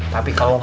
tapi kalau gak ada